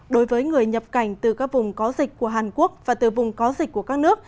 đối với người nhập cảnh từ các vùng có dịch của hàn quốc và từ vùng có dịch của các nước